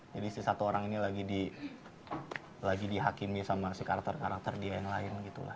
jadi si satu orang ini lagi di lagi dihakimi sama si karakter karakter dia yang lain gitu lah